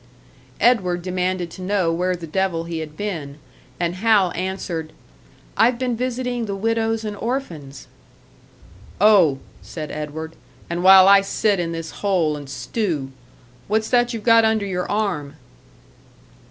Edward demanded to know where the devil he had been; and Hal answered, "I've been visiting the widows and orphans." "Oh!" said Edward. "And while I sit in this hole and stew! What's that you've got under your arm?"